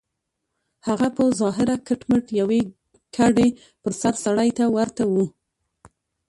هغه په ظاهره کټ مټ يوې کډې پر سر سړي ته ورته و.